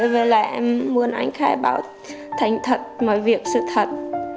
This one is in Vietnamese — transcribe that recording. với lại em muốn anh khai báo thành thật mọi việc sự thật